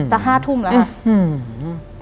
จะ๕ทุ่มแล้วค่ะอืมอืม